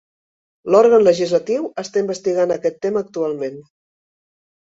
L"òrgan legislatiu està investigant aquest tema actualment.